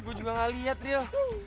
kami bukan hal yang dipilih